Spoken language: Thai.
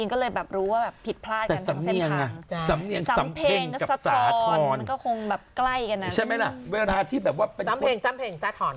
หนูก็จะเปิดด้วยเหมือนกัน